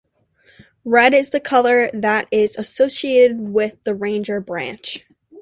Red is the colour that is associated with the Ranger branch.